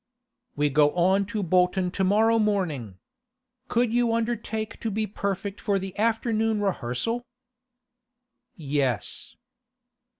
'We go on to Bolton to morrow morning. Could you undertake to be perfect for the afternoon rehearsal?' 'Yes.